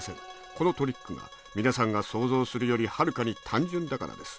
このトリックが皆さんが想像するよりはるかに単純だからです。